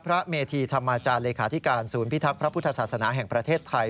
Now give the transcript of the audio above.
เมธีธรรมาจารย์เลขาธิการศูนย์พิทักษ์พระพุทธศาสนาแห่งประเทศไทย